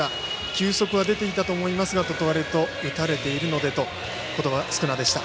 球速は出ていたと思いますがと問われると打たれているのでと言葉少なでした。